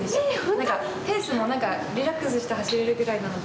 なんか、ペースもリラックスして走れるぐらいなので。